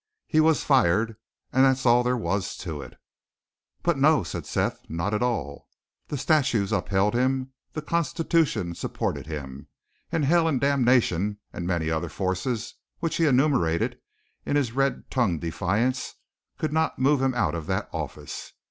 He was fired, and that's all there was to it. But no, said Seth; not at all. The statutes upheld him, the constitution supported him, and hell and damnation and many other forces which he enumerated in his red tongued defiance, could not move him out of that office.